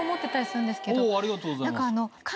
ありがとうございます。